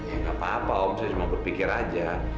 ya nggak apa apa om saya cuma berpikir aja